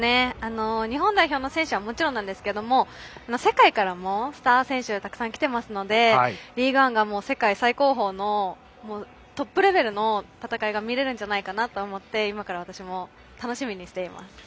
日本代表の選手はもちろんですが世界からもスター選手がたくさん来ているのでリーグワンで世界最高峰の、トップレベルの戦いが見られるんじゃないかと思って今から私も楽しみにしています。